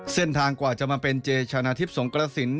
เส้นทางกว่าจะมาเป็นเจชนะทิพย์สงกระสินทร์